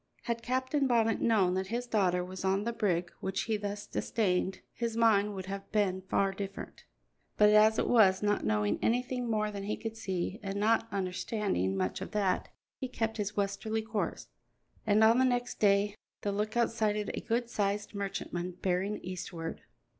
Had Captain Bonnet known that his daughter was on the brig which he thus disdained, his mind would have been far different; but as it was, not knowing anything more than he could see, and not understanding much of that, he kept his westerly course, and on the next day the lookout sighted a good sized merchantman bearing eastward.